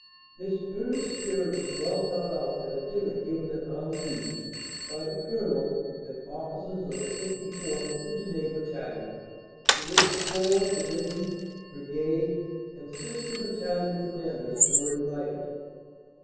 This earnest spirit is well brought out at a dinner given at Anzin by the Colonel and officers of the 54th., Kootenay, Battalion, to which Corps, Division, Brigade and sister Battalion Com manders were invited.